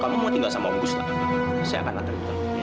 kalau kamu mau tinggal sama om gustaf saya akan latarkan